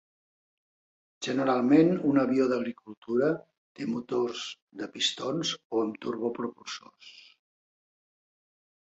Generalment un avió d'agricultura té motors de pistons o amb turbopropulsors.